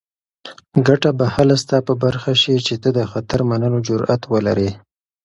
ګټه به هله ستا په برخه شي چې ته د خطر منلو جرات ولرې.